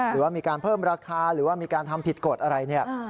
หรือว่ามีการเพิ่มราคาหรือว่ามีการทำผิดกฎอะไรเนี่ย